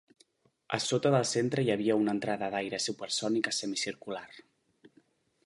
A sota del centre hi havia una entrada d'aire supersònica semicircular.